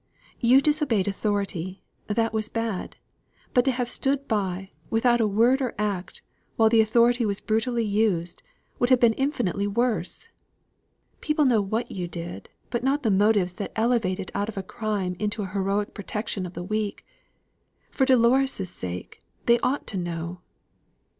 You disobeyed authority that was bad; but to have stood by, without word or act, while the authority was brutally used, would have been infinitely worse. People know what you did; but not the motives that elevate it out of a crime into an heroic protection of the weak. For Dolores' sake, they ought to know."